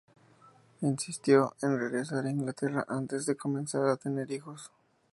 Insistió en regresar a Inglaterra antes de comenzar a tener hijos.